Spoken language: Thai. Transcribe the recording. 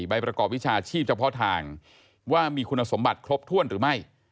ใบประกอบวิชาชีพเฉพาะทางว่ามีคุณสมบัติครบถ้วนหรือไม่